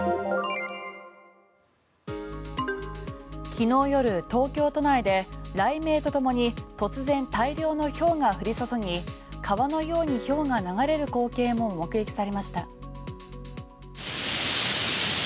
昨日夜、東京都内で雷鳴とともに突然、大量のひょうが降り注ぎ川のようにひょうが流れる光景も目撃されました。